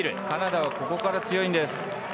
カナダはここから強いです。